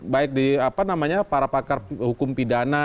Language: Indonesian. baik di apa namanya para pakar hukum pidana